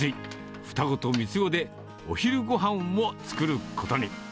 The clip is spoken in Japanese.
双子と三つ子で、お昼ごはんを作ることに。